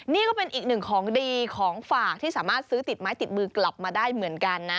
นี่ก็เป็นอีกหนึ่งของดีของฝากที่สามารถซื้อติดไม้ติดมือกลับมาได้เหมือนกันนะ